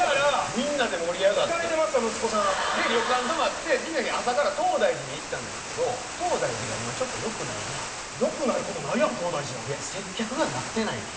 みんなで盛り上がってで旅館泊まって次の日朝から東大寺に行ったんですけど東大寺が今ちょっとよくないなよくないことないやろ東大寺いや接客がなってないねん